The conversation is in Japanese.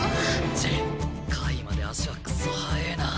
チッ下位まで足はクソ速えな！